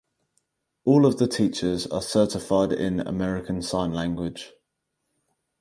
All of the teachers are certified in American sign language.